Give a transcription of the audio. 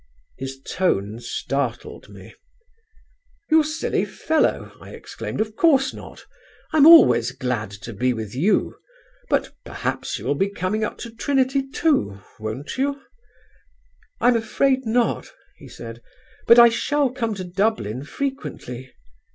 "His tone startled me. "'You silly fellow,' I exclaimed, 'of course not; I'm always glad to be with you: but perhaps you will be coming up to Trinity too; won't you?' "'I'm afraid not,' he said, 'but I shall come to Dublin frequently.'